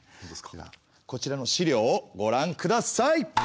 こちらの資料をごらんください。